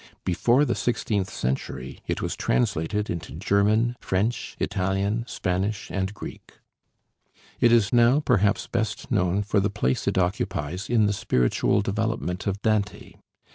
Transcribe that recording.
Before the sixteenth century it was translated into German, French, Italian, Spanish, and Greek. It is now perhaps best known for the place it occupies in the spiritual development of Dante.